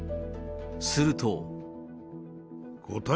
すると。